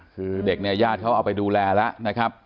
คือเด็กเนี่ยญาติเขาเอาไปดูแลแล้วนะครับ